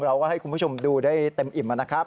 เราก็ให้คุณผู้ชมดูได้เต็มอิ่มนะครับ